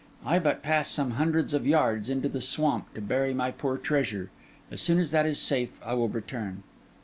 I but pass some hundreds of yards into the swamp to bury my poor treasure; as soon as that is safe, I will return.